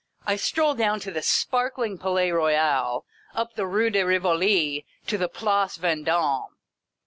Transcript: I stroll down to the sparkling Palais Royal, up the Rue de Rivoli, to the Place Veuddme.